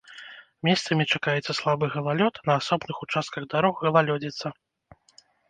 Месцамі чакаецца слабы галалёд, на асобных участках дарог галалёдзіца.